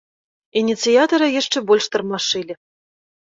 Ініцыятара яшчэ больш тармашылі.